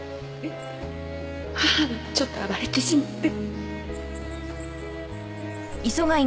義母がちょっと暴れてしまって。